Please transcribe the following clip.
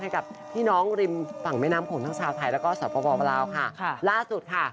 ให้กับพี่น้องริมฝั่งแม่น้ำโขงทางชาวไทยและก็ศาสตร์ประวบราวค่ะ